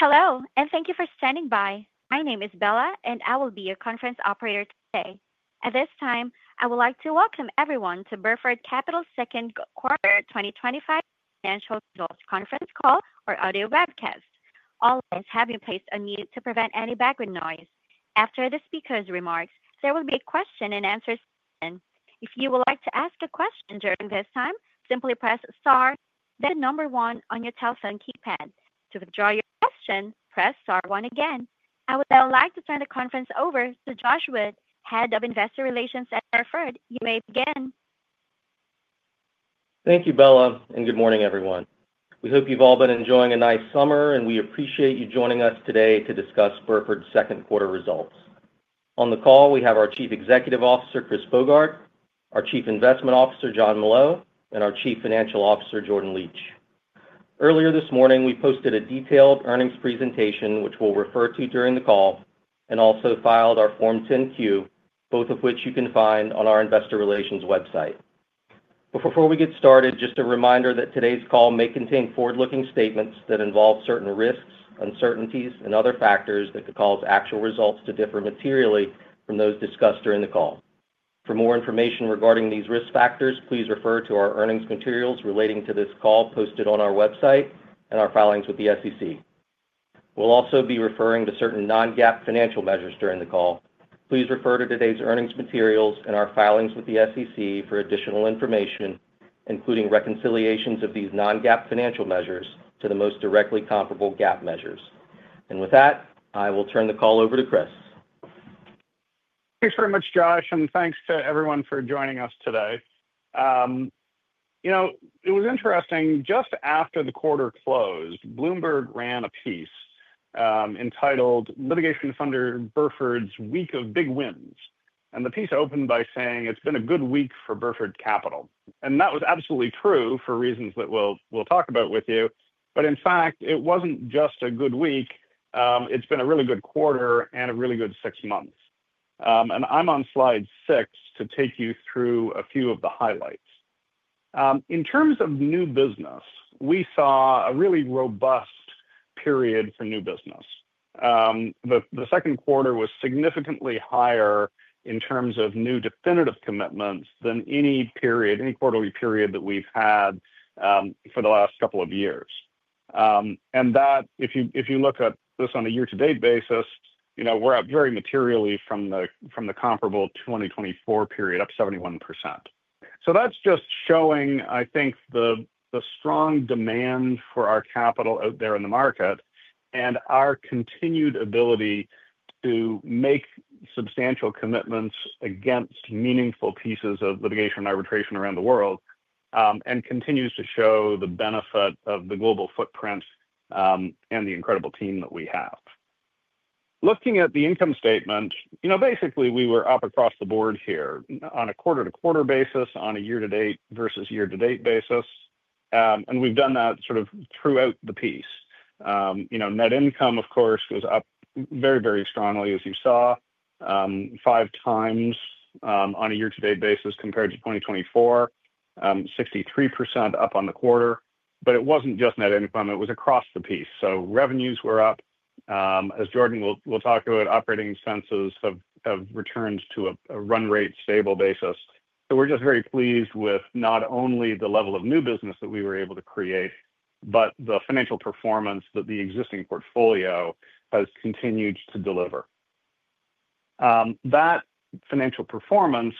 Hello, and thank you for standing by. My name is Bella, and I will be your conference operator today. At this time, I would like to welcome everyone to Burford Capital's second quarter 2025 financial results conference call or audio broadcast. All lines have been placed on mute to prevent any background noise. After the speakers' remarks, there will be a question and answer session. If you would like to ask a question during this time, simply press star, then number one on your telephone keypad. To withdraw your question, press star one again. I would now like to turn the conference over to Josh Wood, Head of Investor Relations at Burford. You may begin. Thank you, Bella, and good morning, everyone. We hope you've all been enjoying a nice summer, and we appreciate you joining us today to discuss Burford Capital's second quarter results. On the call, we have our Chief Executive Officer, Chris Bogart, our Chief Investment Officer, Jon Molot, and our Chief Financial Officer, Jordan Leach. Earlier this morning, we posted a detailed earnings presentation, which we'll refer to during the call, and also filed our Form 10-Q, both of which you can find on our Investor Relations website. Before we get started, just a reminder that today's call may contain forward-looking statements that involve certain risks, uncertainties, and other factors that could cause actual results to differ materially from those discussed during the call. For more information regarding these risk factors, please refer to our earnings materials relating to this call posted on our website and our filings with the SEC. We'll also be referring to certain non-GAAP financial measures during the call. Please refer to today's earnings materials and our filings with the SEC for additional information, including reconciliations of these non-GAAP financial measures to the most directly comparable GAAP measures. With that, I will turn the call over to Chris. Thanks very much, Josh, and thanks to everyone for joining us today. You know, it was interesting, just after the quarter closed, Bloomberg ran a piece entitled "Litigation Thunder: Burford's Week of Big Wins." The piece opened by saying it's been a good week for Burford Capital. That was absolutely true for reasons that we'll talk about with you. In fact, it wasn't just a good week. It's been a really good quarter and a really good six months. I'm on slide six to take you through a few of the highlights. In terms of new business, we saw a really robust period for new business. The second quarter was significantly higher in terms of new definitive commitments than any quarterly period that we've had for the last couple of years. If you look at this on a year-to-date basis, you know, we're up very materially from the comparable 2024 period, up 71%. That's just showing, I think, the strong demand for our capital out there in the market and our continued ability to make substantial commitments against meaningful pieces of litigation and arbitration around the world, and continues to show the benefit of the global footprint and the incredible team that we have. Looking at the income statement, you know, basically, we were up across the board here on a quarter-to-quarter basis, on a year-to-date versus year-to-date basis. We've done that sort of throughout the piece. Net income, of course, goes up very, very strongly, as you saw, five times on a year-to-date basis compared to 2024, 63% up on the quarter. It wasn't just net income. It was across the piece. Revenues were up. As Jordan will talk about, operating expenses have returned to a run rate stable basis. We're just very pleased with not only the level of new business that we were able to create, but the financial performance that the existing portfolio has continued to deliver. That financial performance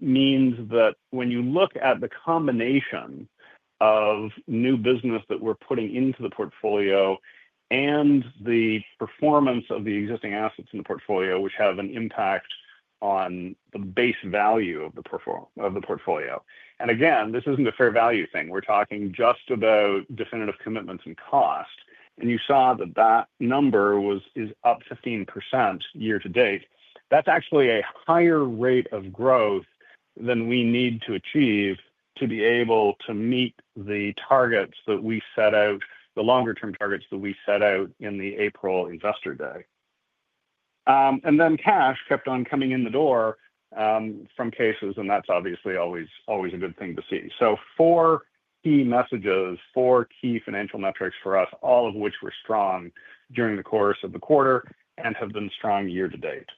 means that when you look at the combination of new business that we're putting into the portfolio and the performance of the existing assets in the portfolio, which have an impact on the base value of the portfolio. Again, this isn't a fair value thing. We're talking just about definitive commitments and cost. You saw that that number is up 15% year to date. That's actually a higher rate of growth than we need to achieve to be able to meet the targets that we set out, the longer-term targets that we set out in the April investor day. Cash kept on coming in the door from cases, and that's obviously always a good thing to see. Four key messages, four key financial metrics for us, all of which were strong during the course of the quarter and have been strong year to date.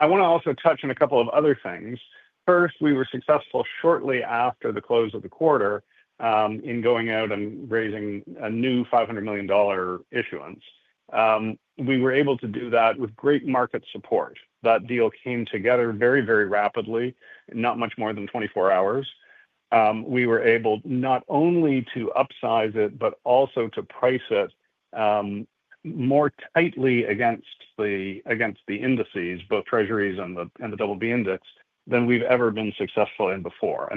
I want to also touch on a couple of other things. First, we were successful shortly after the close of the quarter in going out and raising a new $500 million issuance. We were able to do that with great market support. That deal came together very, very rapidly, in not much more than 24 hours. We were able not only to upsize it, but also to price it more tightly against the indices, both Treasuries and the Double B Index, than we've ever been successful in before.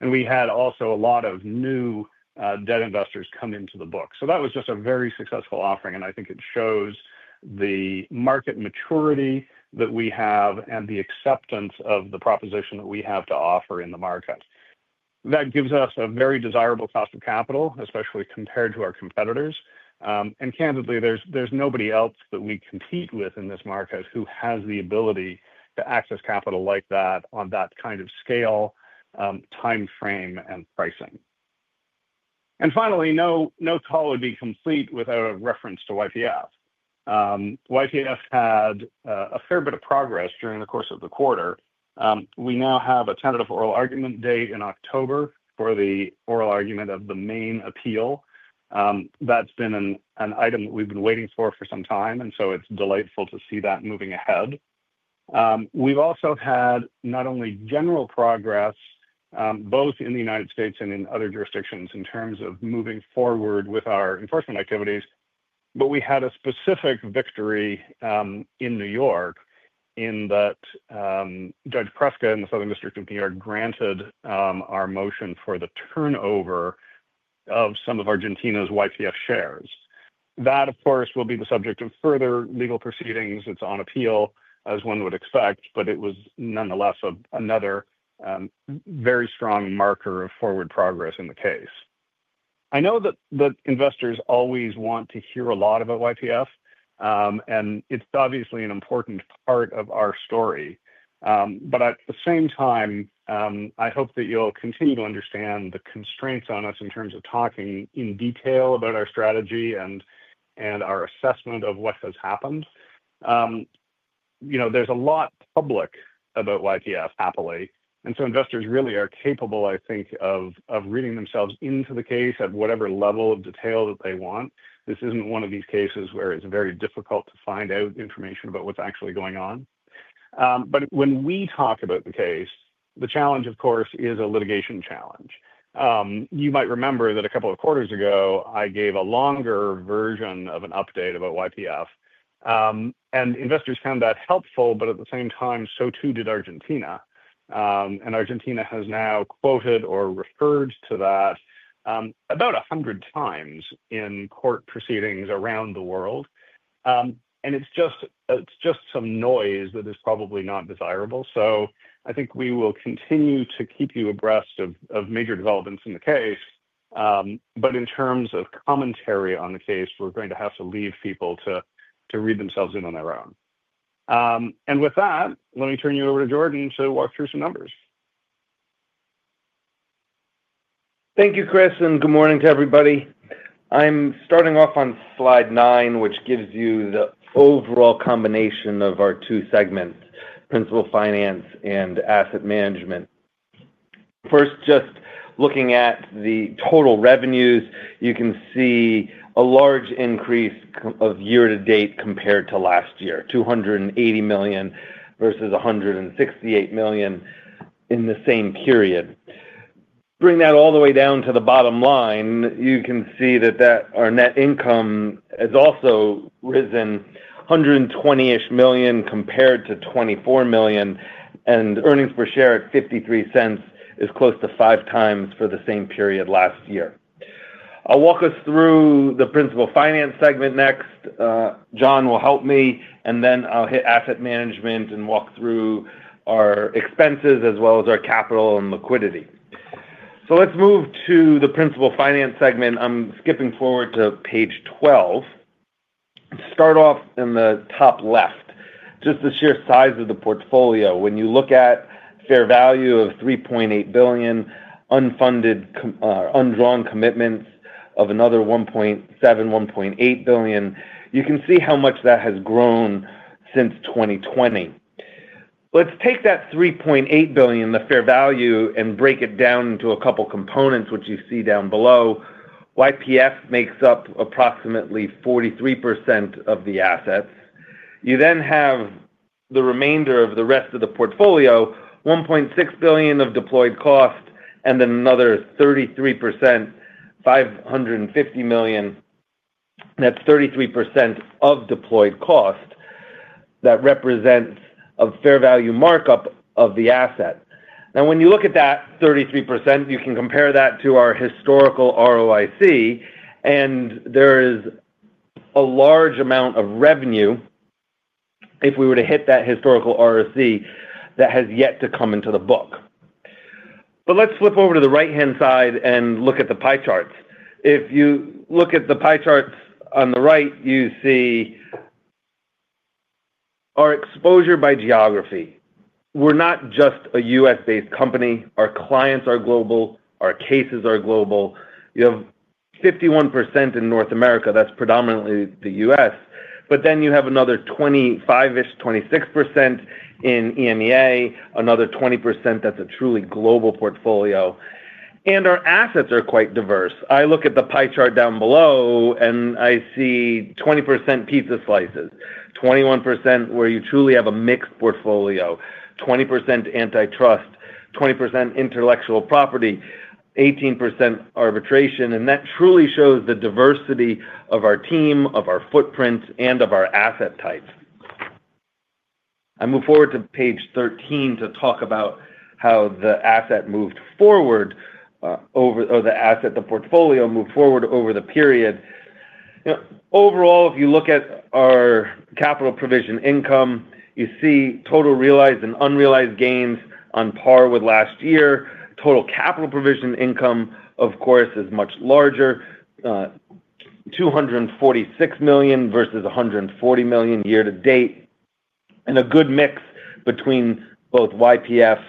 We had also a lot of new debt investors come into the book. That was just a very successful offering, and I think it shows the market maturity that we have and the acceptance of the proposition that we have to offer in the market. That gives us a very desirable cost of capital, especially compared to our competitors. Candidly, there's nobody else that we compete with in this market who has the ability to access capital like that on that kind of scale, timeframe, and pricing. Finally, no call would be complete without a reference to YPF. YPF had a fair bit of progress during the course of the quarter. We now have a tentative oral argument date in October for the oral argument of the main appeal. That's been an item that we've been waiting for for some time, and it's delightful to see that moving ahead. We've also had not only general progress, both in the United States and in other jurisdictions in terms of moving forward with our enforcement activities, but we had a specific victory in New York in that Judge Preska in the Southern District of New York granted our motion for the turnover of some of Argentina's YPF shares. That, of course, will be the subject of further legal proceedings. It's on appeal, as one would expect, but it was nonetheless another very strong marker of forward progress in the case. I know that investors always want to hear a lot about YPF, and it's obviously an important part of our story. At the same time, I hope that you'll continue to understand the constraints on us in terms of talking in detail about our strategy and our assessment of what has happened. There's a lot public about YPF, happily. Investors really are capable, I think, of reading themselves into the case at whatever level of detail that they want. This isn't one of these cases where it's very difficult to find out information about what's actually going on. When we talk about the case, the challenge, of course, is a litigation challenge. You might remember that a couple of quarters ago, I gave a longer version of an update about YPF. Investors found that helpful, but at the same time, so too did Argentina. Argentina has now quoted or referred to that about 100 times in court proceedings around the world. It's just some noise that is probably not desirable. I think we will continue to keep you abreast of major developments in the case. In terms of commentary on the case, we're going to have to leave people to read themselves in on their own. With that, let me turn you over to Jordan to walk through some numbers. Thank you, Chris, and good morning to everybody. I'm starting off on slide nine, which gives you the overall combination of our two segments, principal finance and asset management. First, just looking at the total revenues, you can see a large increase year to date compared to last year, $280 million versus $168 million in the same period. Bring that all the way down to the bottom line, you can see that our net income has also risen, $120 million compared to $24 million, and earnings per share at $0.53 is close to five times for the same period last year. I'll walk us through the principal finance segment next. Jon will help me, and then I'll hit asset management and walk through our expenses as well as our capital and liquidity. Let's move to the principal finance segment. I'm skipping forward to page 12. Start off in the top left, just the sheer size of the portfolio. When you look at a fair value of $3.8 billion, undrawn commitments of another $1.7, $1.8 billion, you can see how much that has grown since 2020. Let's take that $3.8 billion, the fair value, and break it down into a couple of components, which you see down below. YPF makes up approximately 43% of the assets. You then have the remainder of the rest of the portfolio, $1.6 billion of deployed cost, and another 33%, $550 million. That's 33% of deployed cost. That represents a fair value markup of the asset. Now, when you look at that 33%, you can compare that to our historical ROIC, and there is a large amount of revenue if we were to hit that historical ROIC that has yet to come into the book. Let's flip over to the right-hand side and look at the pie charts. If you look at the pie charts on the right, you see our exposure by geography. We're not just a U.S.-based company. Our clients are global. Our cases are global. You have 51% in North America. That's predominantly the U.S. You have another 25%, 26% in EMEA, another 20% that's a truly global portfolio. Our assets are quite diverse. I look at the pie chart down below, and I see 20% pizza slices, 21% where you truly have a mixed portfolio, 20% antitrust, 20% intellectual property, 18% arbitration. That truly shows the diversity of our team, of our footprint, and of our asset types. I move forward to page 13 to talk about how the asset moved forward, or the asset, the portfolio moved forward over the period. Overall, if you look at our capital provision income, you see total realized and unrealized gains on par with last year. Total capital provision income, of course, is much larger, $246 million versus $140 million year to date, and a good mix between both YPF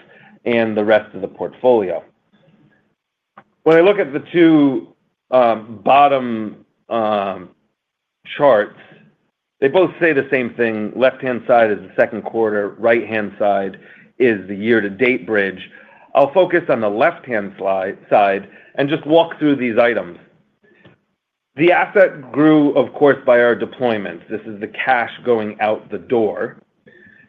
and the rest of the portfolio. If I look at the two bottom charts, they both say the same thing. Left-hand side is the second quarter. Right-hand side is the year-to-date bridge. I'll focus on the left-hand side and just walk through these items. The asset grew, of course, by our deployment. This is the cash going out the door.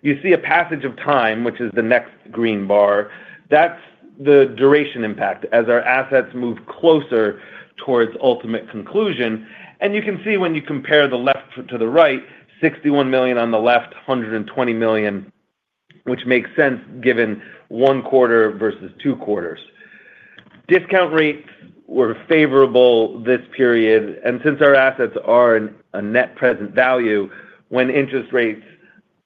You see a passage of time, which is the next green bar. That's the duration impact as our assets move closer towards ultimate conclusion. You can see when you compare the left to the right, $61 million on the left, $120 million, which makes sense given one quarter versus two quarters. Discount rates were favorable this period. Since our assets are at net present value, when interest rates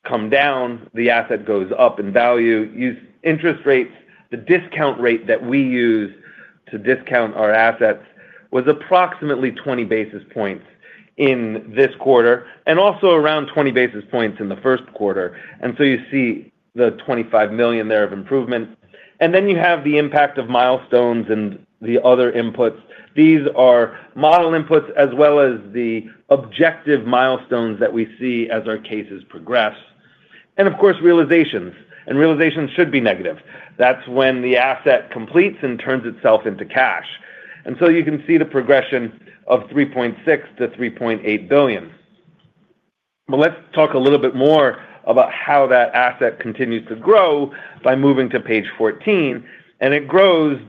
come down, the asset goes up in value. Interest rates, the discount rate that we use to discount our assets, was approximately 20 basis points in this quarter and also around 20 basis points in the first quarter. You see the $25 million there of improvement. Then you have the impact of milestones and the other inputs. These are model inputs as well as the objective milestones that we see as our cases progress. Of course, realizations. Realizations should be negative. That's when the asset completes and turns itself into cash. You can see the progression of $3.6 billion to $3.8 billion. Let's talk a little bit more about how that asset continues to grow by moving to page 14. It grows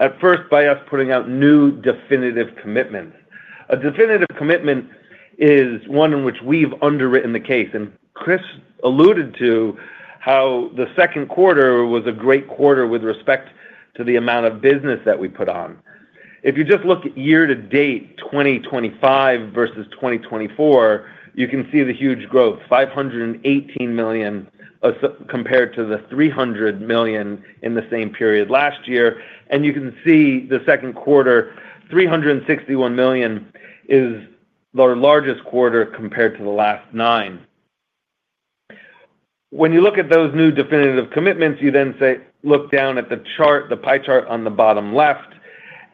at first by us putting out new definitive commitments. A definitive commitment is one in which we've underwritten the case. Chris alluded to how the second quarter was a great quarter with respect to the amount of business that we put on. If you just look at year to date, 2025 versus 2024, you can see the huge growth, $518 million compared to the $300 million in the same period last year. You can see the second quarter, $361 million, is our largest quarter compared to the last nine. When you look at those new definitive commitments, you then look down at the chart, the pie chart on the bottom left,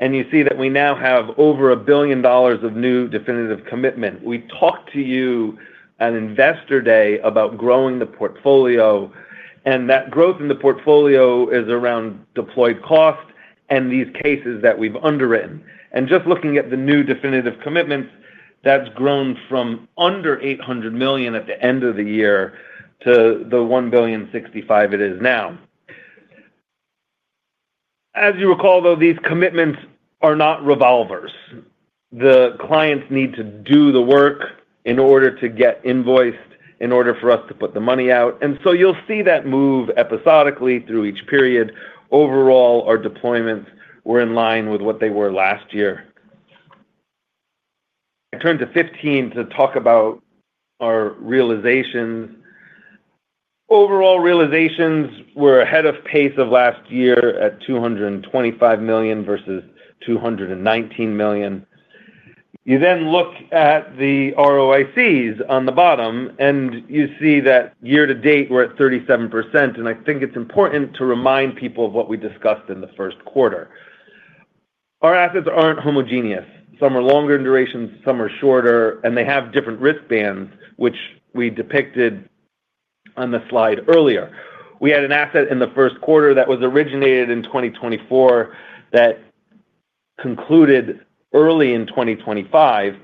and you see that we now have over $1 billion of new definitive commitment. We talked to you at investor day about growing the portfolio. That growth in the portfolio is around deployed cost and these cases that we've underwritten. Just looking at the new definitive commitments, that's grown from under $800 million at the end of the year to the $1,065 million it is now. As you recall, though, these commitments are not revolvers. The clients need to do the work in order to get invoiced, in order for us to put the money out. You'll see that move episodically through each period. Overall, our deployments were in line with what they were last year. I turn to 15 to talk about our realizations. Overall, realizations were ahead of pace of last year at $225 million versus $219 million. You then look at the ROICs on the bottom, and you see that year to date, we're at 37%. I think it's important to remind people of what we discussed in the first quarter. Our assets aren't homogeneous. Some are longer in duration, some are shorter, and they have different risk bands, which we depicted on the slide earlier. We had an asset in the first quarter that was originated in 2024 that concluded early in 2025.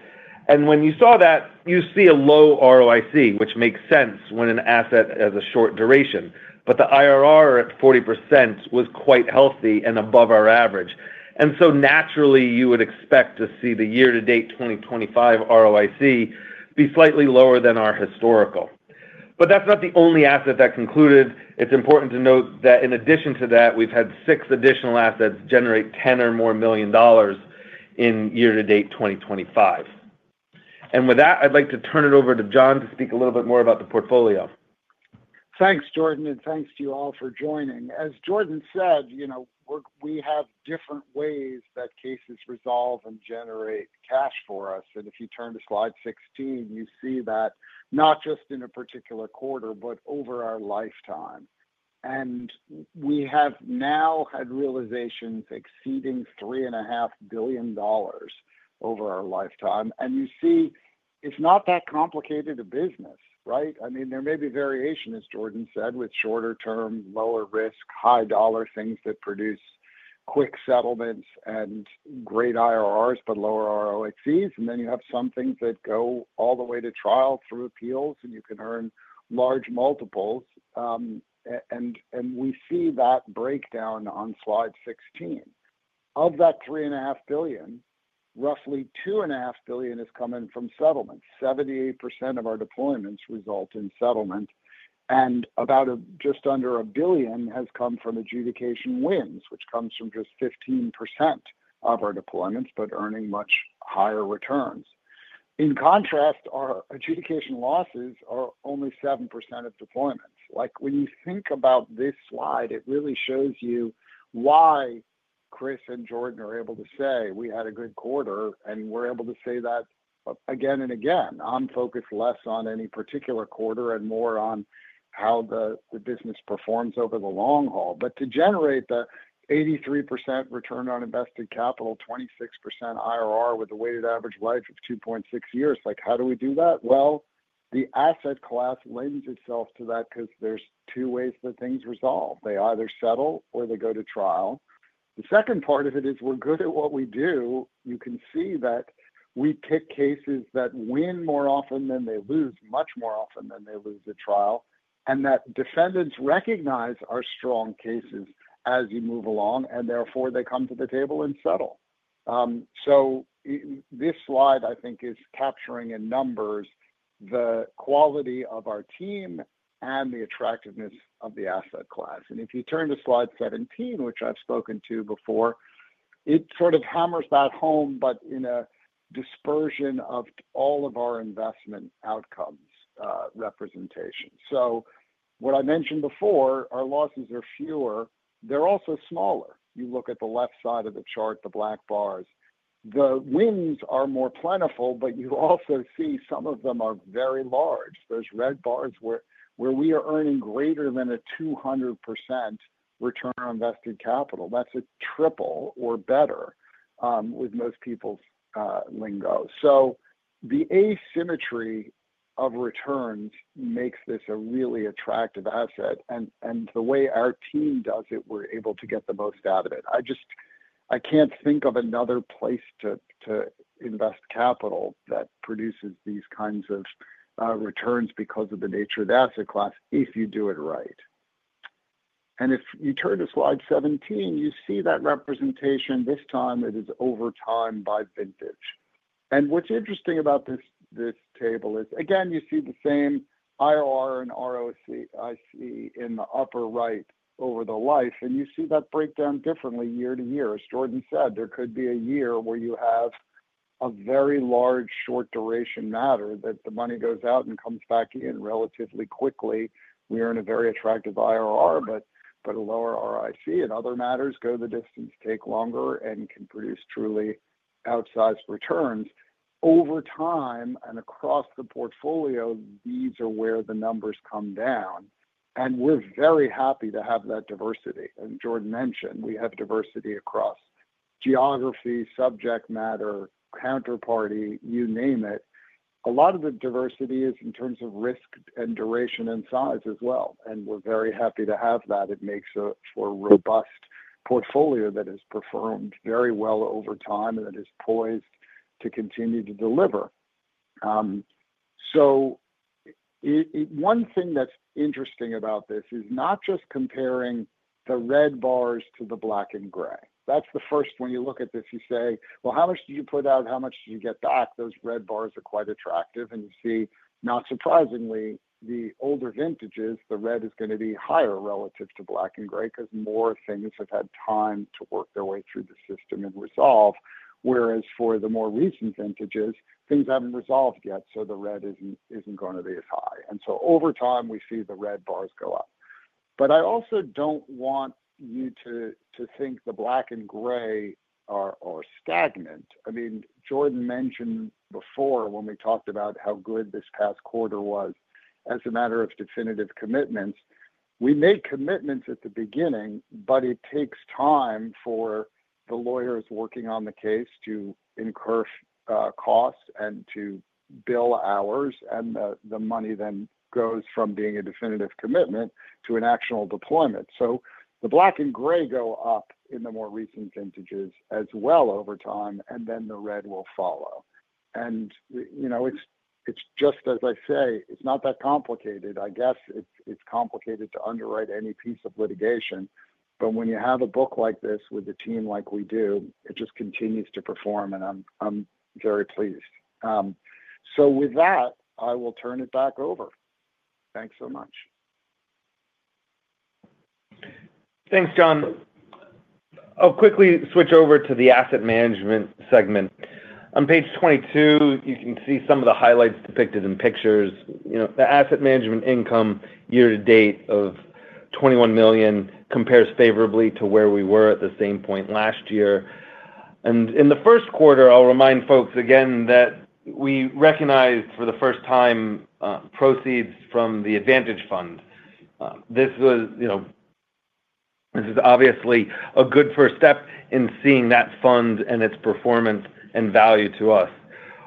When you saw that, you see a low ROIC, which makes sense when an asset has a short duration. The IRR at 40% was quite healthy and above our average. Naturally, you would expect to see the year-to-date 2025 ROIC be slightly lower than our historical. That's not the only asset that concluded. It's important to note that in addition to that, we've had six additional assets generate $10 million or more in year-to-date 2025. With that, I'd like to turn it over to Jon to speak a little bit more about the portfolio. Thanks, Jordan, and thanks to you all for joining. As Jordan said, you know, we have different ways that cases resolve and generate cash for us. If you turn to slide 16, you see that not just in a particular quarter, but over our lifetime. We have now had realizations exceeding $3.5 billion over our lifetime. You see, it's not that complicated a business, right? I mean, there may be variation, as Jordan said, with shorter term, lower risk, high dollar things that produce quick settlements and great IRRs, but lower ROICs. You have some things that go all the way to trial through appeals, and you can earn large multiples. We see that breakdown on slide 16. Of that $3.5 billion, roughly $2.5 billion is coming from settlements. 78% of our deployments result in settlement. About just under $1 billion has come from adjudication wins, which comes from just 15% of our deployments, but earning much higher returns. In contrast, our adjudication losses are only 7% of deployments. When you think about this slide, it really shows you why Chris and Jordan are able to say we had a good quarter, and we're able to say that again and again. I'm focused less on any particular quarter and more on how the business performs over the long haul. To generate the 83% return on invested capital, 26% IRR with a weighted average life of 2.6 years, how do we do that? The asset class lends itself to that because there are two ways that things resolve. They either settle or they go to trial. The second part of it is we're good at what we do. You can see that we pick cases that win more often than they lose, much more often than they lose at trial. Defendants recognize our strong cases as you move along, and therefore they come to the table and settle. This slide, I think, is capturing in numbers the quality of our team and the attractiveness of the asset class. If you turn to slide 17, which I've spoken to before, it sort of hammers back home, but in a dispersion of all of our investment outcomes representation. What I mentioned before, our losses are fewer. They're also smaller. You look at the left side of the chart, the black bars. The wins are more plentiful, but you also see some of them are very large. There are red bars where we are earning greater than a 200% return on invested capital. That's a triple or better, with most people's lingo. The asymmetry of returns makes this a really attractive asset. The way our team does it, we're able to get the most out of it. I can't think of another place to invest capital that produces these kinds of returns because of the nature of the asset class if you do it right. If you turn to slide 17, you see that representation. This time, it is over time by vintage. What's interesting about this table is, again, you see the same IRR and ROC I see in the upper right over the life, and you see that breakdown differently year to year. As Jordan said, there could be a year where you have a very large short duration matter that the money goes out and comes back in relatively quickly. We are in a very attractive IRR, but a lower ROC, and other matters go the distance, take longer, and can produce truly outsized returns. Over time and across the portfolio, these are where the numbers come down. We're very happy to have that diversity. Jordan mentioned, we have diversity across geography, subject matter, counterparty, you name it. A lot of the diversity is in terms of risk and duration and size as well. We're very happy to have that. It makes for a robust portfolio that has performed very well over time and that is poised to continue to deliver. One thing that's interesting about this is not just comparing the red bars to the black and gray. That's the first thing you look at; you say, how much did you put out? How much did you get back? Those red bars are quite attractive. Not surprisingly, the older vintages, the red is going to be higher relative to black and gray because more things have had time to work their way through the system and resolve. For the more recent vintages, things haven't resolved yet, so the red isn't going to be as high. Over time, we see the red bars go up. I also don't want you to think the black and gray are stagnant. Jordan mentioned before when we talked about how good this past quarter was as a matter of definitive commitments. We made commitments at the beginning, but it takes time for the lawyers working on the case to incur costs and to bill hours. The money then goes from being a definitive commitment to an actual deployment. The black and gray go up in the more recent vintages as well over time, and then the red will follow. It's just as I say, it's not that complicated. I guess it's complicated to underwrite any piece of litigation. When you have a book like this with a team like we do, it just continues to perform. I'm very pleased. With that, I will turn it back over. Thanks so much. Thanks, Jon. I'll quickly switch over to the asset management segment. On page 22, you can see some of the highlights depicted in pictures. The asset management income year to date of $21 million compares favorably to where we were at the same point last year. In the first quarter, I'll remind folks again that we recognized for the first time proceeds from the Advantage Fund. This was obviously a good first step in seeing that fund and its performance and value to us.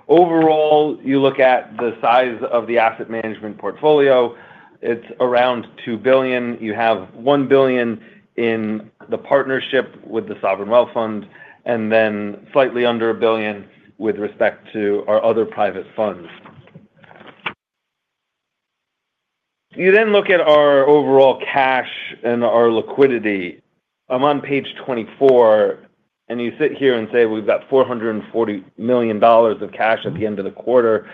Overall, you look at the size of the asset management portfolio. It's around $2 billion. You have $1 billion in the partnership with the sovereign wealth fund, and then slightly under $1 billion with respect to our other private funds. You then look at our overall cash and our liquidity. I'm on page 24, and you sit here and say we've got $440 million of cash at the end of the quarter.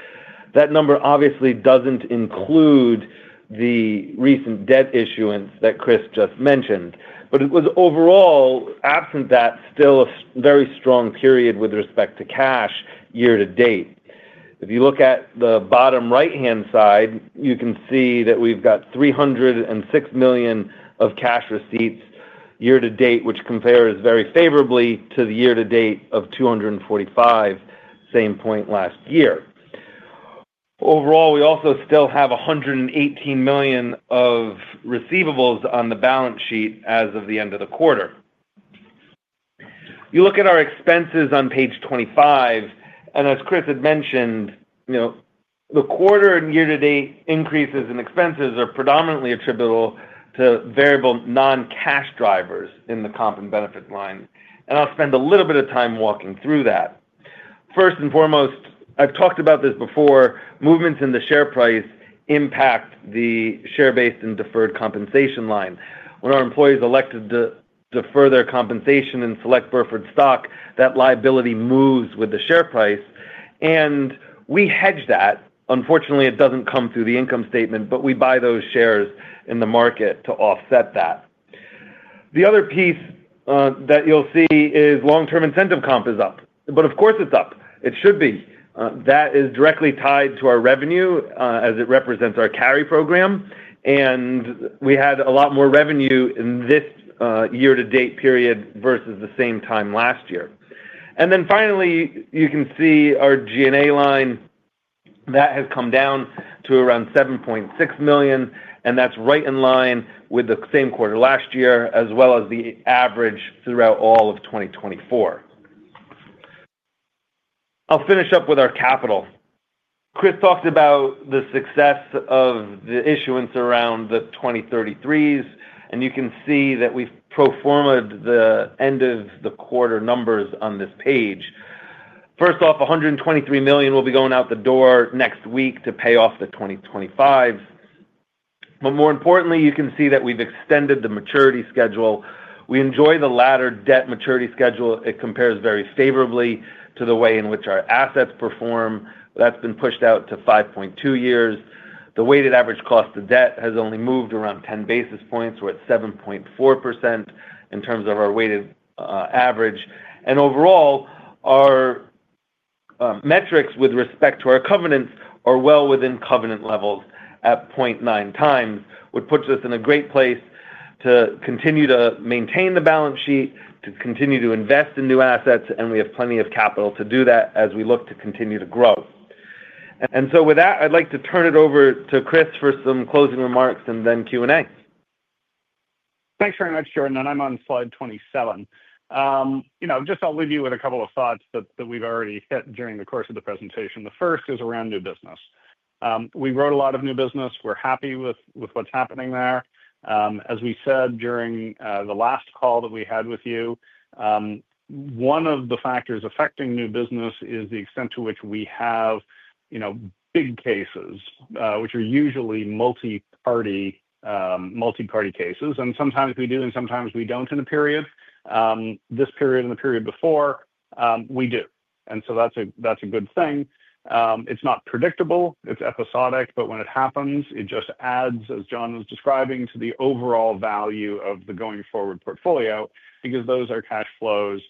That number obviously doesn't include the recent debt issuance that Chris just mentioned. It was overall absent that still a very strong period with respect to cash year to date. If you look at the bottom right-hand side, you can see that we've got $306 million of cash receipts year to date, which compares very favorably to the year to date of $245 million, same point last year. Overall, we also still have $118 million of receivables on the balance sheet as of the end of the quarter. You look at our expenses on page 25, and as Chris had mentioned, the quarter and year-to-date increases in expenses are predominantly attributable to variable non-cash drivers in the comp and benefit line. I'll spend a little bit of time walking through that. First and foremost, I've talked about this before, movements in the share price impact the share-based and deferred compensation line. When our employees elect to defer their compensation and select Burford stock, that liability moves with the share price. We hedge that. Unfortunately, it doesn't come through the income statement, but we buy those shares in the market to offset that. The other piece that you'll see is long-term incentive comp is up. Of course, it's up. It should be. That is directly tied to our revenue as it represents our carry program. We had a lot more revenue in this year-to-date period versus the same time last year. Finally, you can see our G&A line. That has come down to around $7.6 million, and that's right in line with the same quarter last year, as well as the average throughout all of 2024. I'll finish up with our capital. Chris talked about the success of the issuance around the 2033s, and you can see that we've proformed the end-of-the-quarter numbers on this page. First off, $123 million will be going out the door next week to pay off the 2025s. More importantly, you can see that we've extended the maturity schedule. We enjoy the latter debt maturity schedule. It compares very favorably to the way in which our assets perform. That's been pushed out to 5.2 years. The weighted average cost of debt has only moved around 10 basis points. We're at 7.4% in terms of our weighted average. Overall, our metrics with respect to our covenants are well within covenant levels at 0.9 times, which puts us in a great place to continue to maintain the balance sheet, to continue to invest in new assets, and we have plenty of capital to do that as we look to continue to grow. With that, I'd like to turn it over to Chris for some closing remarks and then Q&A. Thanks very much, Jordan. I'm on slide 27. I'll leave you with a couple of thoughts that we've already hit during the course of the presentation. The first is around new business. We wrote a lot of new business. We're happy with what's happening there. As we said during the last call that we had with you, one of the factors affecting new business is the extent to which we have big cases, which are usually multi-party cases. Sometimes we do and sometimes we don't in a period. This period and the period before, we do. That's a good thing. It's not predictable. It's episodic. When it happens, it just adds, as Jon was describing, to the overall value of the going forward portfolio because those are cash flows.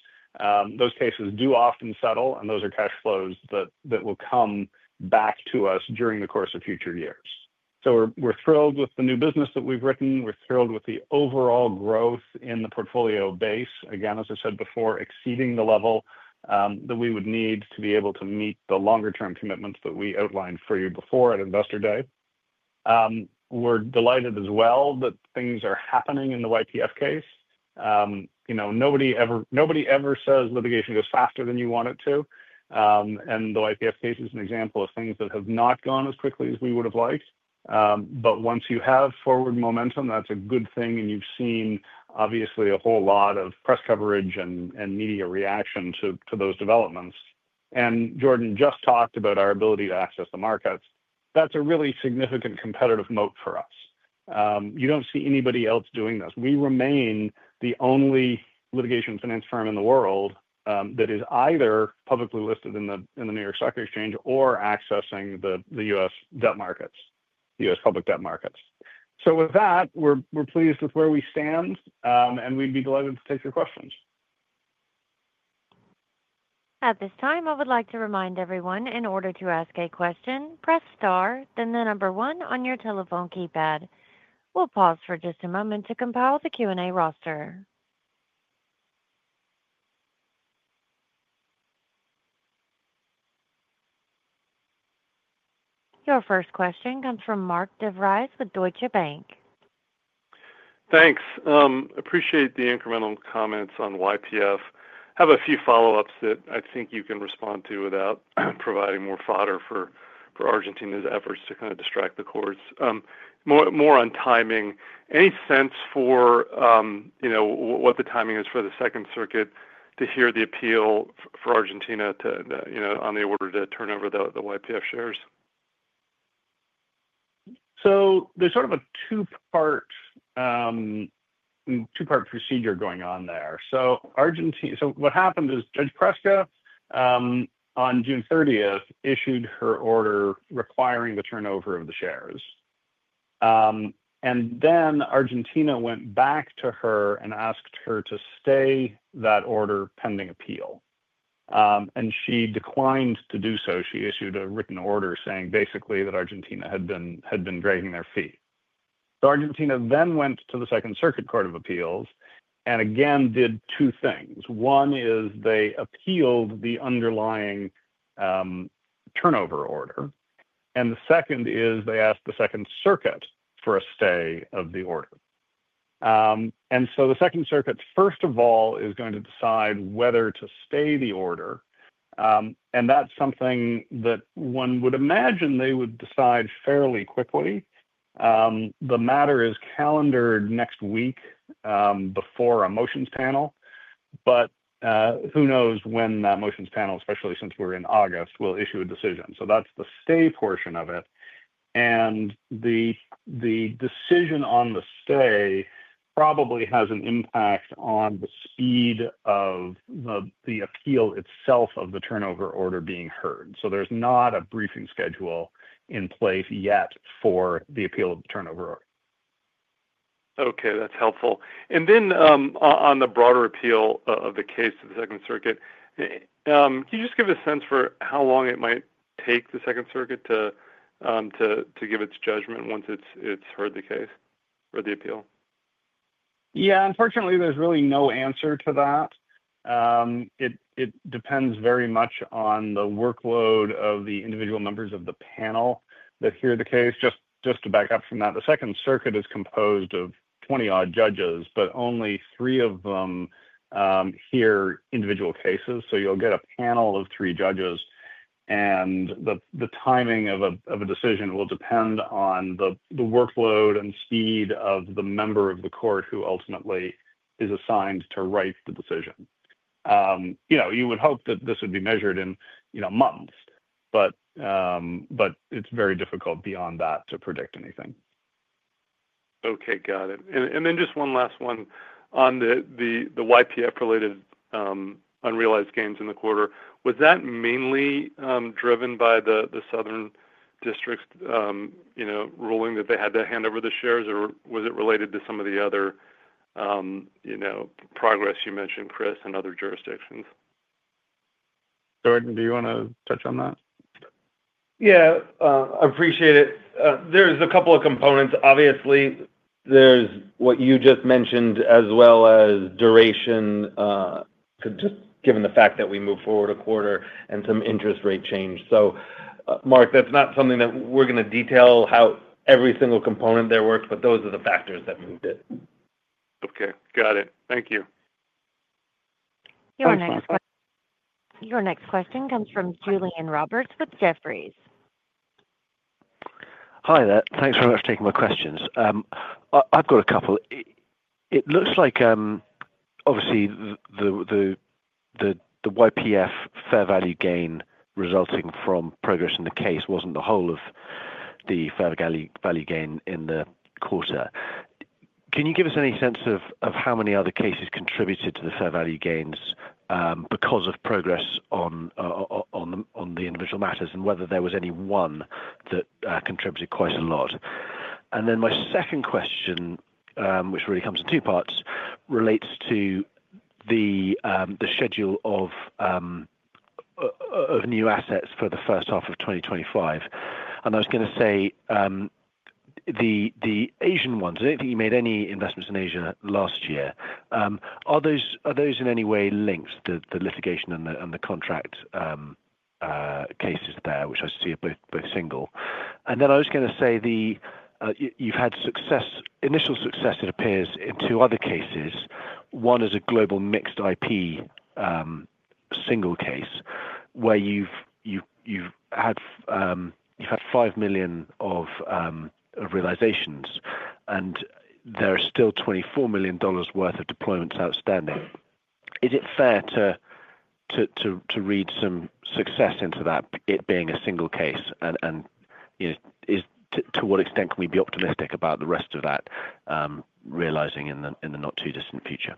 Those cases do often settle, and those are cash flows that will come back to us during the course of future years. We're thrilled with the new business that we've written. We're thrilled with the overall growth in the portfolio base. Again, as I said before, exceeding the level that we would need to be able to meet the longer-term commitments that we outlined for you before at investor day. We're delighted as well that things are happening in the YPF case. Nobody ever says litigation goes faster than you want it to. The YPF case is an example of things that have not gone as quickly as we would have liked. Once you have forward momentum, that's a good thing. You've seen, obviously, a whole lot of press coverage and media reaction to those developments. Jordan just talked about our ability to access the markets. That's a really significant competitive moat for us. You don't see anybody else doing this. We remain the only litigation finance firm in the world that is either publicly listed in the New York Stock Exchange or accessing the U.S. debt markets, the U.S. public debt markets. We're pleased with where we stand, and we'd be delighted to take your questions. At this time, I would like to remind everyone, in order to ask a question, press star, then the number one on your telephone keypad. We'll pause for just a moment to compile the Q&A roster. Your first question comes from Mark DeVries with Deutsche Bank. Thanks. Appreciate the incremental comments on YPF. I have a few follow-ups that I think you can respond to without providing more fodder for Argentina's efforts to kind of distract the courts. More on timing. Any sense for what the timing is for the Second Circuit to hear the appeal for Argentina on the order to turn over the YPF shares? There's sort of a two-part procedure going on there. What happened is Judge Preska on June 30, 2023, issued her order requiring the turnover of the shares. Argentina went back to her and asked her to stay that order pending appeal, and she declined to do so. She issued a written order saying basically that Argentina had been dragging their feet. Argentina then went to the Second Circuit Court of Appeals and again did two things. One is they appealed the underlying turnover order, and the second is they asked the Second Circuit for a stay of the order. The Second Circuit, first of all, is going to decide whether to stay the order, and that's something that one would imagine they would decide fairly quickly. The matter is calendared next week before a motions panel, but who knows when that motions panel, especially since we're in August, will issue a decision. That's the stay portion of it, and the decision on the stay probably has an impact on the speed of the appeal itself of the turnover order being heard. There's not a briefing schedule in place yet for the appeal of the turnover order. Okay, that's helpful. On the broader appeal of the case to the Second Circuit, can you just give a sense for how long it might take the Second Circuit to give its judgment once it's heard the case or the appeal? Yeah, unfortunately, there's really no answer to that. It depends very much on the workload of the individual members of the panel that hear the case. Just to back up from that, the Second Circuit is composed of 20-odd judges, but only three of them hear individual cases. You'll get a panel of three judges. The timing of a decision will depend on the workload and speed of the member of the court who ultimately is assigned to write the decision. You would hope that this would be measured in months, but it's very difficult beyond that to predict anything. Okay, got it. Just one last one on the YPF-related unrealized gains in the quarter. Was that mainly driven by the Southern District of New York's ruling that they had to hand over the shares, or was it related to some of the other progress you mentioned, Chris, in other jurisdictions? Jordan, do you want to touch on that? Yeah, I appreciate it. There's a couple of components. Obviously, there's what you just mentioned, as well as duration, just given the fact that we move forward a quarter and some interest rate change. Mark, that's not something that we're going to detail how every single component there works, but those are the factors that moved it. Okay, got it. Thank you. Your next question comes from Julian Roberts with Jefferies. Hi there. Thanks very much for taking my questions. I've got a couple. It looks like, obviously, the YPF fair value gain resulting from progress in the case wasn't the whole of the fair value gain in the quarter. Can you give us any sense of how many other cases contributed to the fair value gains because of progress on the individual matters, and whether there was any one that contributed quite a lot? My second question, which really comes in two parts, relates to the schedule of new assets for the first half of 2025. I was going to say the Asian ones, I don't think you made any investments in Asia last year. Are those in any way linked, the litigation and the contract cases there, which I see are both single? I was going to say you've had initial success, it appears, in two other cases. One is a global mixed IP single case where you've had $5 million of realizations, and there are still $24 million worth of deployments outstanding. Is it fair to read some success into that, it being a single case? To what extent can we be optimistic about the rest of that realizing in the not-too-distant future?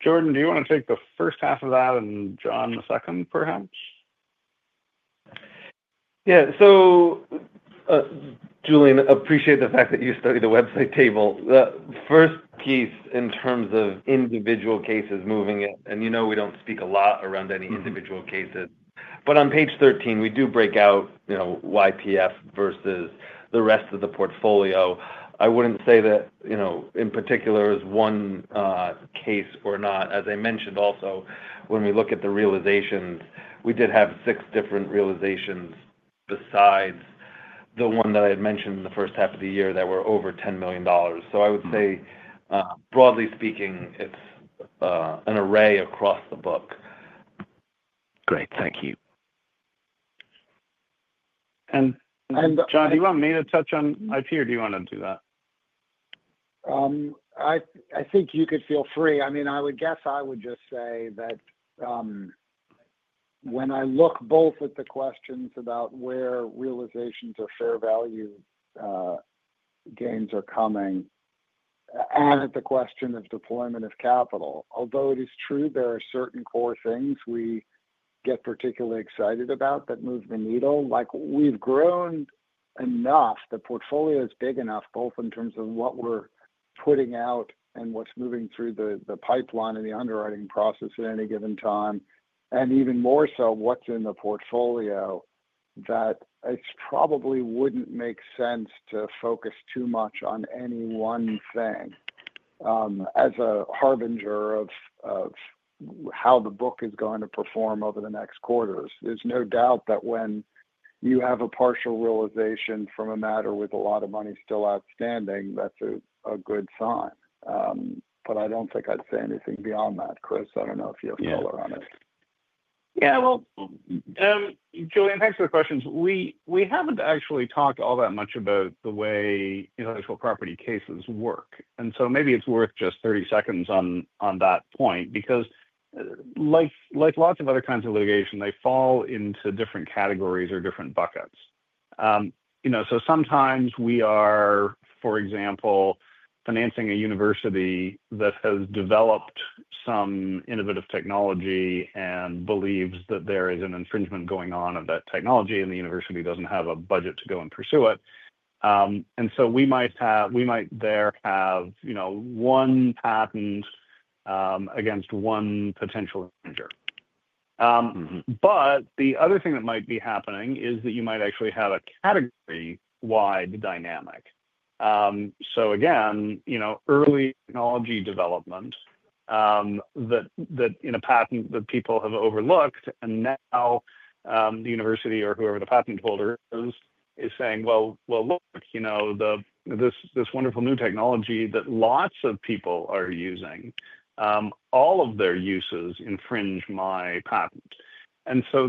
Jordan, do you want to take the first half of that and Jon the second, perhaps? Yeah. Julian, I appreciate the fact that you studied the website table. The first piece in terms of individual cases moving it, and you know we don't speak a lot around any individual cases. On page 13, we do break out, you know, YPF versus the rest of the portfolio. I wouldn't say that, you know, in particular is one case or not. As I mentioned also, when we look at the realizations, we did have six different realizations besides the one that I had mentioned in the first half of the year that were over $10 million. I would say, broadly speaking, it's an array across the book. Great. Thank you. Jon, do you want me to touch on intellectual property or do you want to do that? I think you could feel free. I mean, I would guess I would just say that when I look both at the questions about where realizations or fair value gains are coming and at the question of deployment of capital, although it is true there are certain core things we get particularly excited about that move the needle. Like we've grown enough, the portfolio is big enough both in terms of what we're putting out and what's moving through the pipeline and the underwriting process at any given time, and even more so what's in the portfolio that it probably wouldn't make sense to focus too much on any one thing. As a harbinger of how the book is going to perform over the next quarters, there's no doubt that when you have a partial realization from a matter with a lot of money still outstanding, that's a good sign. I don't think I'd say anything beyond that, Chris. I don't know if you have color on it. Yeah. Julian, thanks for the questions. We haven't actually talked all that much about the way intellectual property cases work. Maybe it's worth just 30 seconds on that point because, like lots of other kinds of litigation, they fall into different categories or different buckets. Sometimes we are, for example, financing a university that has developed some innovative technology and believes that there is an infringement going on of that technology and the university doesn't have a budget to go and pursue it. We might there have, you know, one patent against one potential infringer. The other thing that might be happening is that you might actually have a category-wide dynamic. Again, early technology development that in a patent that people have overlooked, and now the university or whoever the patent holder is is saying, look, you know, this wonderful new technology that lots of people are using, all of their uses infringe my patent.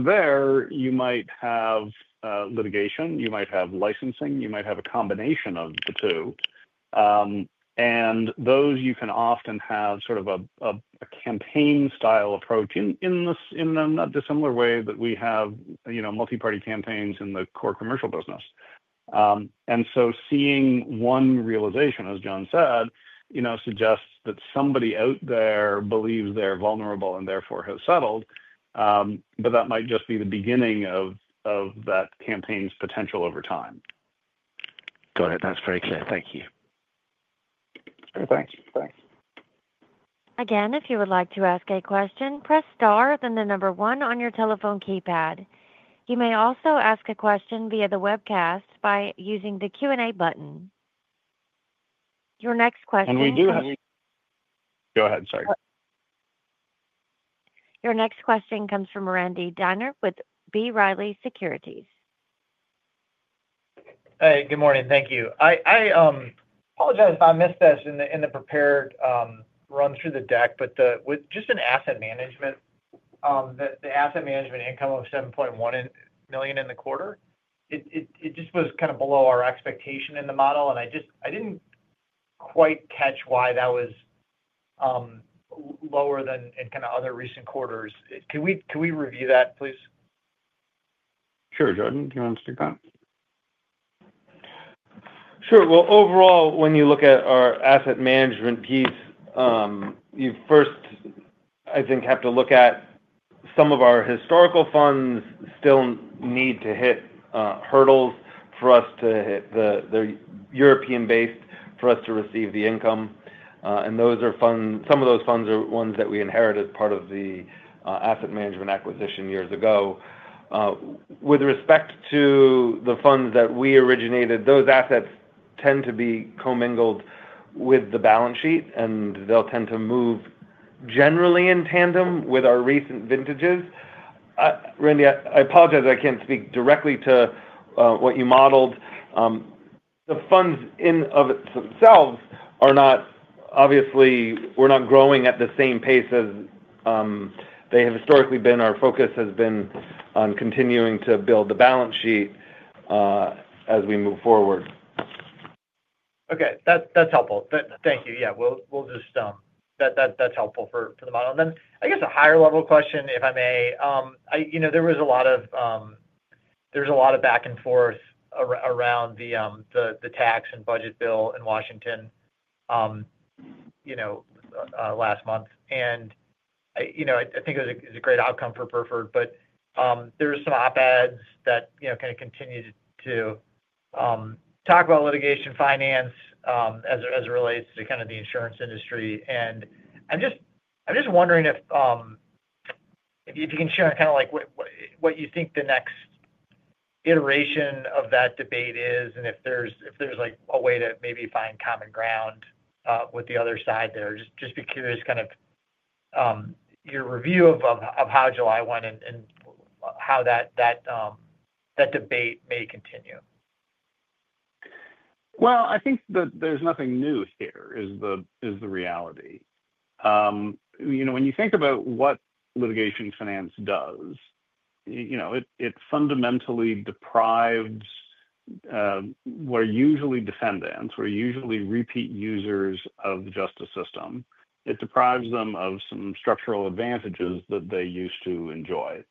There you might have litigation, you might have licensing, you might have a combination of the two. Those you can often have sort of a campaign-style approach in the similar way that we have multiparty campaigns in the core commercial business. Seeing one realization, as Jon said, suggests that somebody out there believes they're vulnerable and therefore have settled. That might just be the beginning of that campaign's potential over time. Got it. That's very clear. Thank you. Thanks. Again, if you would like to ask a question, press star then the number one on your telephone keypad. You may also ask a question via the webcast by using the Q&A button. Your next question comes from. We do have. Go ahead. Sorry. Your next question comes from Randy Binner with B. Riley Securities. Hey, good morning. Thank you. I apologize if I missed this in the prepared run through the deck, but with just asset management, the asset management income of $7.1 million in the quarter was kind of below our expectation in the model. I didn't quite catch why that was lower than in other recent quarters. Can we review that, please? Sure, Jordan. Do you want to take that? Sure. Overall, when you look at our asset management piece, you first, I think, have to look at some of our historical funds still need to hit hurdles for us to hit the European-based for us to receive the income. Those are funds, some of those funds are ones that we inherited as part of the asset management acquisition years ago. With respect to the funds that we originated, those assets tend to be commingled with the balance sheet, and they'll tend to move generally in tandem with our recent vintages. Randy, I apologize, I can't speak directly to what you modeled. The funds in of themselves are not obviously, we're not growing at the same pace as they have historically been. Our focus has been on continuing to build the balance sheet as we move forward. Okay, that's helpful. Thank you. That's helpful for the model. I guess a higher-level question, if I may. There was a lot of back and forth around the tax and budget bill in Washington last month. I think it was a great outcome for Burford Capital, but there were some op-eds that continue to talk about litigation finance as it relates to the insurance industry. I'm just wondering if you can share what you think the next iteration of that debate is, and if there's a way to maybe find common ground with the other side there. Just be curious your review of how July went and how that debate may continue. I think that there's nothing new here is the reality. You know, when you think about what litigation finance does, it fundamentally deprives what are usually defendants, who are usually repeat users of the justice system. It deprives them of some structural advantages that they used to enjoy.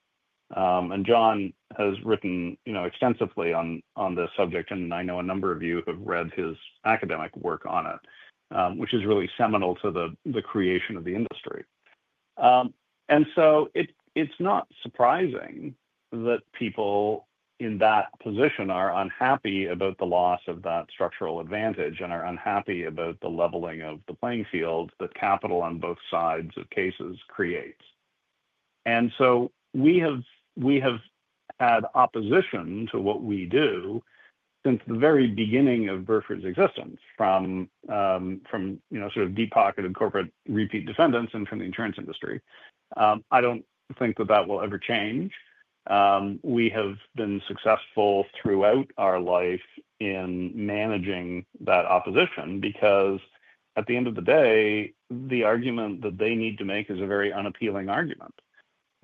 Jon has written extensively on the subject, and I know a number of you have read his academic work on it, which is really seminal to the creation of the industry. It's not surprising that people in that position are unhappy about the loss of that structural advantage and are unhappy about the leveling of the playing field that capital on both sides of cases creates. We have had opposition to what we do since the very beginning of Burford Capital's existence from deep-pocketed corporate repeat defendants and from the insurance industry. I don't think that will ever change. We have been successful throughout our life in managing that opposition because at the end of the day, the argument that they need to make is a very unappealing argument.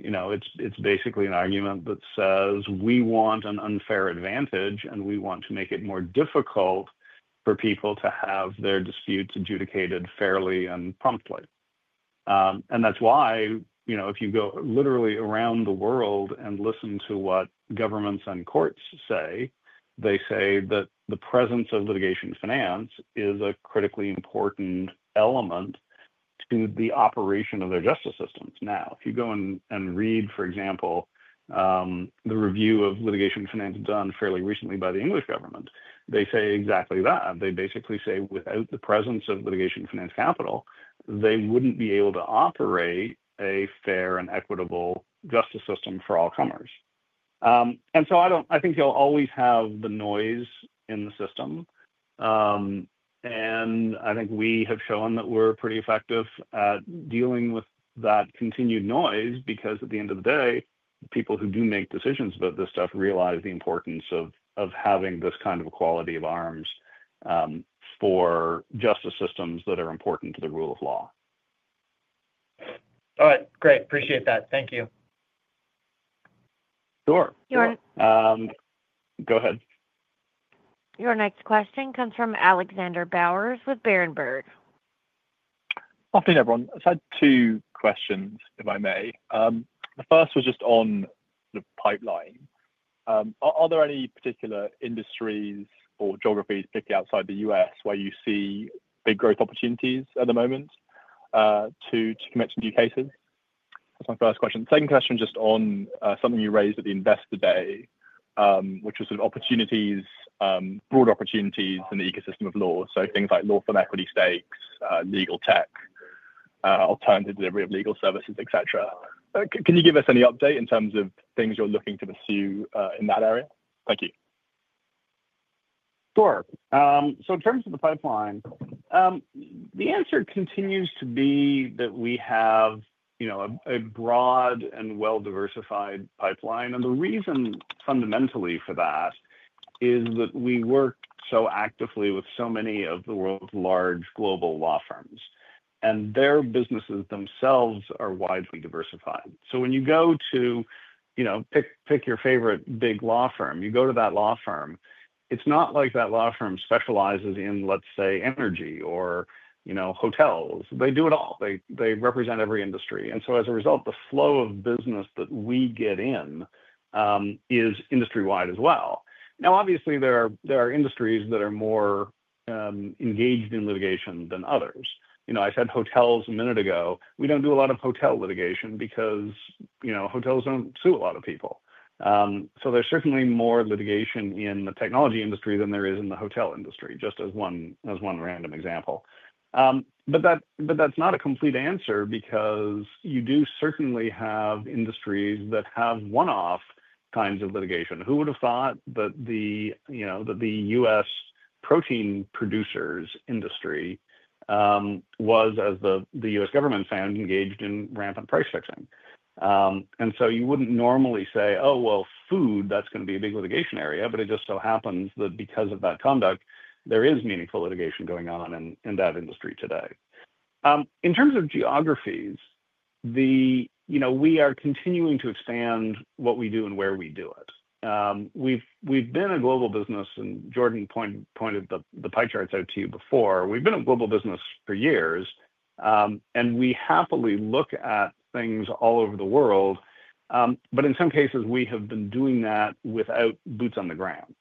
It's basically an argument that says we want an unfair advantage and we want to make it more difficult for people to have their disputes adjudicated fairly and promptly. If you go literally around the world and listen to what governments and courts say, they say that the presence of litigation finance is a critically important element to the operation of their justice systems. If you go and read, for example, the review of litigation finance done fairly recently by the English government, they say exactly that. They basically say without the presence of litigation finance capital, they wouldn't be able to operate a fair and equitable justice system for all comers. I think you'll always have the noise in the system. I think we have shown that we're pretty effective at dealing with that continued noise because at the end of the day, people who do make decisions about this stuff realize the importance of having this kind of equality of arms for justice systems that are important to the rule of law. All right. Great. Appreciate that. Thank you. Sure. Your. Go ahead. Your next question comes from Alex Bowers with Berenberg. Afternoon, everyone. I have two questions, if I may. The first was just on the pipeline. Are there any particular industries or geographies, particularly outside the U.S., where you see big growth opportunities at the moment to commit to new cases? That's my first question. Second question is just on something you raised at the investor day, which was sort of broad opportunities in the ecosystem of law. Things like law firm equity stakes, legal tech, alternative delivery of legal services, etc. Can you give us any update in terms of things you're looking to pursue in that area? Thank you. Sure. In terms of the pipeline, the answer continues to be that we have a broad and well-diversified pipeline. The reason fundamentally for that is that we work so actively with so many of the world's large global law firms, and their businesses themselves are widely diversified. When you go to, you know, pick your favorite big law firm, you go to that law firm, it's not like that law firm specializes in, let's say, energy or hotels. They do it all. They represent every industry, and as a result, the flow of business that we get in is industry-wide as well. Obviously, there are industries that are more engaged in litigation than others. I said hotels a minute ago. We don't do a lot of hotel litigation because hotels don't sue a lot of people. There's certainly more litigation in the technology industry than there is in the hotel industry, just as one random example. That's not a complete answer because you do certainly have industries that have one-off kinds of litigation. Who would have thought that the U.S. protein producers industry was, as the U.S. government found, engaged in rampant price fixing? You wouldn't normally say, oh, well, food, that's going to be a big litigation area, but it just so happens that because of that conduct, there is meaningful litigation going on in that industry today. In terms of geographies, we are continuing to expand what we do and where we do it. We've been a global business, and Jordan pointed the pie charts out to you before. We've been a global business for years, and we happily look at things all over the world. In some cases, we have been doing that without boots on the ground.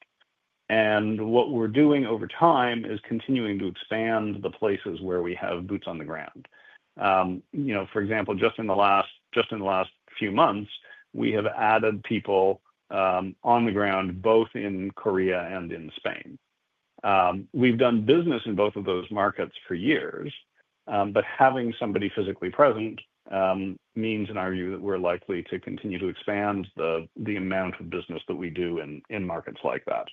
What we're doing over time is continuing to expand the places where we have boots on the ground. For example, just in the last few months, we have added people on the ground both in Korea and in Spain. We've done business in both of those markets for years, but having somebody physically present means, in our view, that we're likely to continue to expand the amount of business that we do in markets like that.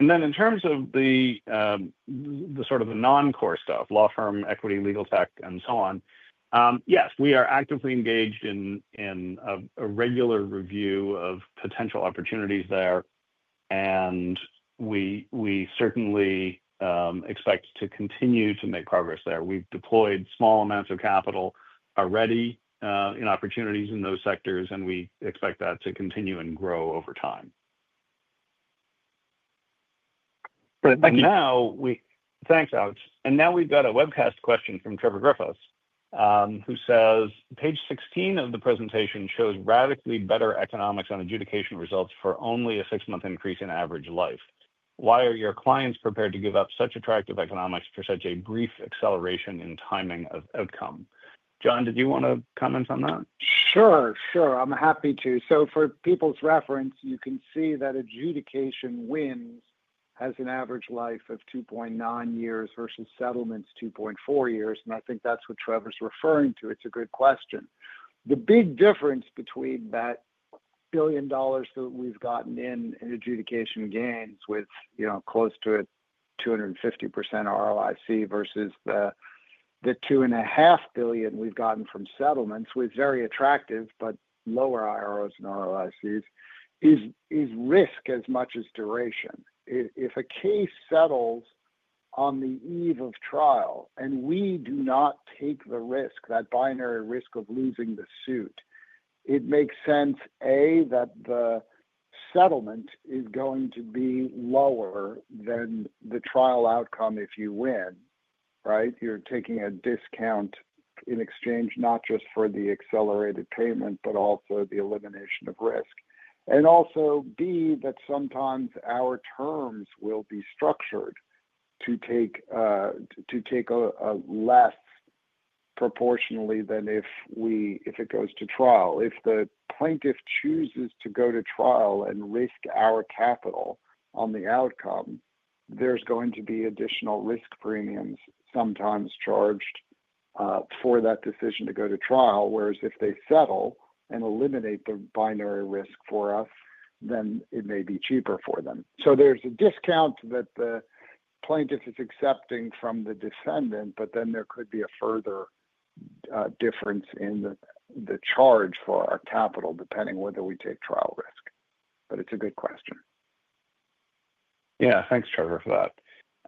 In terms of the sort of the non-core stuff, law firm equity, legal tech, and so on, yes, we are actively engaged in a regular review of potential opportunities there, and we certainly expect to continue to make progress there. We've deployed small amounts of capital already in opportunities in those sectors, and we expect that to continue and grow over time. Thanks, Alex. Now we've got a webcast question from Trevor Griffiths, who says, "Page 16 of the presentation shows radically better economics on adjudication results for only a six-month increase in average life. Why are your clients prepared to give up such attractive economics for such a brief acceleration in timing of outcome?" John, did you want to comment on that? Sure, sure. I'm happy to. For people's reference, you can see that adjudication wins have an average life of 2.9 years versus settlements at 2.4 years, and I think that's what Trevor's referring to. It's a good question. The big difference between that $1 billion that we've gotten in adjudication gains with close to a 250% ROIC versus the $2.5 billion we've gotten from settlements with very attractive, but lower IRRs and ROICs, is risk as much as duration. If a case settles on the eve of trial and we do not take the risk, that binary risk of losing the suit, it makes sense, A, that the settlement is going to be lower than the trial outcome if you win, right? You're taking a discount in exchange not just for the accelerated payment, but also the elimination of risk. Also, B, sometimes our terms will be structured to take less proportionally than if it goes to trial. If the plaintiff chooses to go to trial and risk our capital on the outcome, there's going to be additional risk premiums sometimes charged for that decision to go to trial, whereas if they settle and eliminate the binary risk for us, then it may be cheaper for them. There's a discount that the plaintiff is accepting from the defendant, but then there could be a further difference in the charge for our capital depending on whether we take trial risk. It's a good question. Yeah, thanks, Trevor, for that.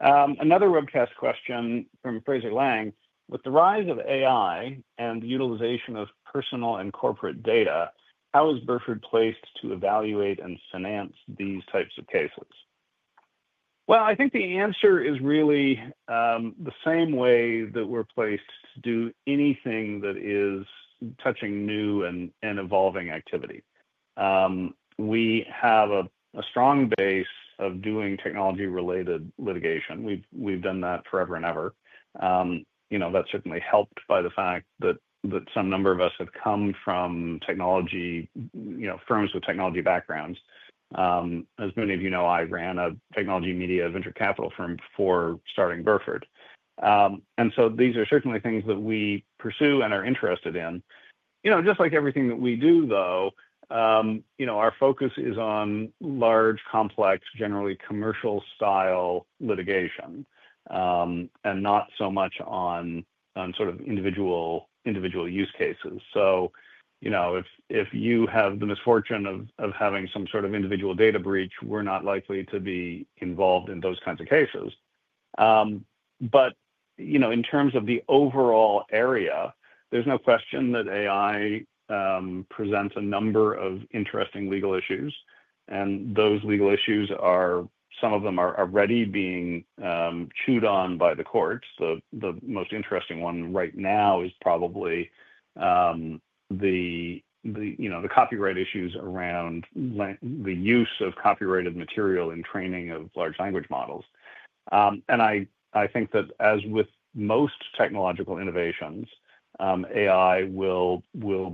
Another webcast question from Fraser Lang. With the rise of AI and the utilization of personal and corporate data, how is Burford placed to evaluate and finance these types of cases? I think the answer is really the same way that we're placed to do anything that is touching new and evolving activity. We have a strong base of doing technology-related litigation. We've done that forever and ever. That's certainly helped by the fact that some number of us have come from technology firms with technology backgrounds. As many of you know, I ran a technology media venture capital firm before starting Burford Capital. These are certainly things that we pursue and are interested in. Just like everything that we do, though, our focus is on large, complex, generally commercial-style litigation and not so much on sort of individual use cases. If you have the misfortune of having some sort of individual data breach, we're not likely to be involved in those kinds of cases. In terms of the overall area, there's no question that AI presents a number of interesting legal issues. Those legal issues are, some of them are already being chewed on by the courts. The most interesting one right now is probably the copyright issues around the use of copyrighted material in training of large language models. I think that, as with most technological innovations, AI will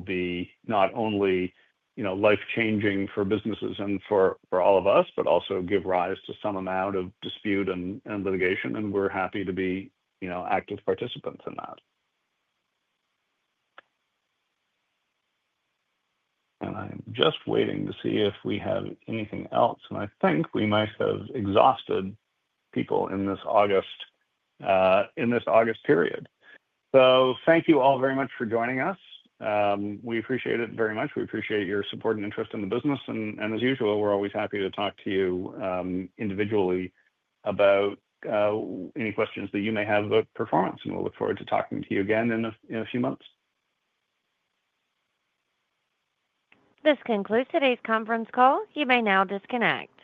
be not only life-changing for businesses and for all of us, but also give rise to some amount of dispute and litigation. We're happy to be active participants in that. I'm just waiting to see if we have anything else. I think we might have exhausted people in this August period. Thank you all very much for joining us. We appreciate it very much. We appreciate your support and interest in the business. As usual, we're always happy to talk to you individually about any questions that you may have about performance. We'll look forward to talking to you again in a few months. This concludes today's conference call. You may now disconnect.